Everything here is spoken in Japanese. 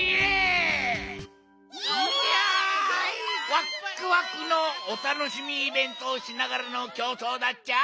ワックワクのおたのしみイベントをしながらのきょうそうだっちゃ。